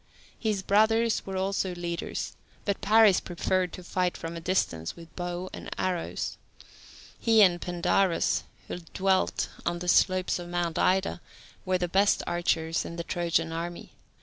His brothers also were leaders, but Paris preferred to fight from a distance with bow and arrows. He and Pandarus, who dwelt on the slopes of Mount Ida, were the best archers in the Trojan army.